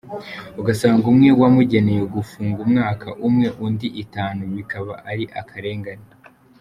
Ugasanga umwe wamugeneye gufungwa umwaka umwe undi itanu bikaba ari akarengane.